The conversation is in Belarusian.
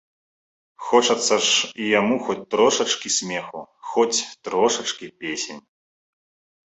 Хочацца ж і яму хоць трошачкі смеху, хоць трошачкі песень.